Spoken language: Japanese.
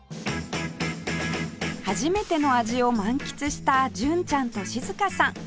初めての味を満喫した純ちゃんと静香さん